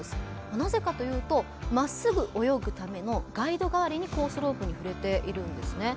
なぜかというとまっすぐ泳ぐためのガイド代わりにコースロープに触れているんですね。